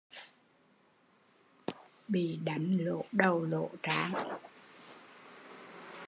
Bị đánh lỗ đầu lỗ trán